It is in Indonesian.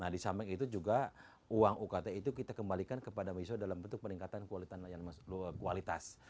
nah di samping itu juga uang ukt itu kita kembalikan kepada mahasiswa dalam bentuk peningkatan kualitas